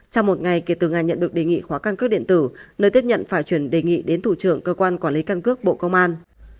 trong một ngày kể từ ngày nhận được đề nghị khóa căn cước điện tử nơi tiếp nhận phải chuyển đề nghị đến thủ trưởng cơ quan quản lý căn cước bộ công an